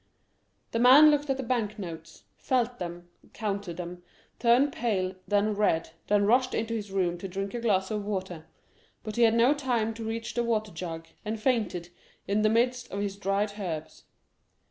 The man looked at the bank notes, felt them, counted them, turned pale, then red, then rushed into his room to drink a glass of water, but he had no time to reach the water jug, and fainted in the midst of his dried herbs.